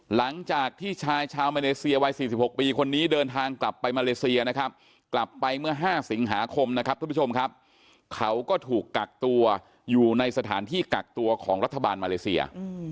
หลังจากที่ชายชาวมาเลเซียวัย๔๖ปีคนนี้เดินทางกลับไปมาเลเซียนะครับกลับไปเมื่อ๕สิงหาคมนะครับทุกผู้ชมครับเขาก็ถูกกักตัวอยู่ในสถานที่กักตัวของรัฐบาลมาเลเซีย